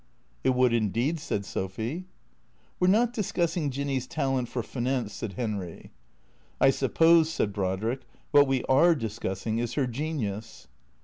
" It would indeed," said Sophy. " We 're not discussing Jinny's talent for finance," said Henry. " I suppose," said Brodrick, " what we are discussing is her genius